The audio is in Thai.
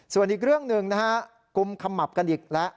ส่วนอีกเรื่องหนึ่งนะฮะกุมขมับกันอีกแล้ว